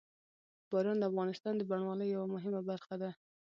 باران د افغانستان د بڼوالۍ یوه مهمه برخه ده.